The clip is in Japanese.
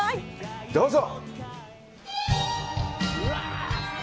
どうぞ！